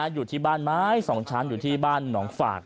อยู่ที่บ้านไม้๒ชั้นอยู่ที่บ้านหนองฝาก